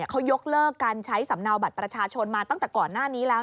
เขายกเลิกการใช้สำเนาบัตรประชาชนมาตั้งแต่ก่อนหน้านี้แล้ว